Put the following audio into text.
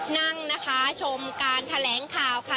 นั่งนะคะชมการแถลงข่าวค่ะ